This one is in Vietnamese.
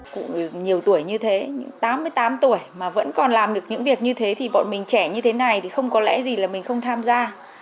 cụ nhiều tuổi như thế tám mươi tám tuổi mà vẫn còn làm được những việc như thế thì bọn mình trẻ như thế này thì không có lẽ gì là mình không tham gia